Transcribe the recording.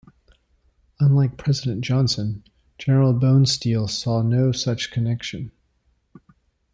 Unlike President Johnson, General Bonesteel saw no such connection.